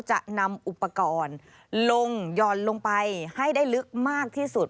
จะนำอุปกรณ์ลงหย่อนลงไปให้ได้ลึกมากที่สุด